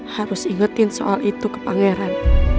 harus ingetin soal itu ke pangeran